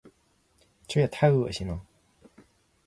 这也太恶心了。